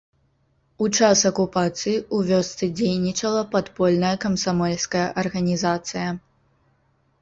У час акупацыі ў вёсцы дзейнічала падпольная камсамольская арганізацыя.